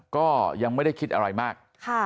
ก็ยังไม่ได้คิดอะไรมาก